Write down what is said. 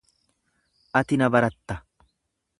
Ati ni baratta.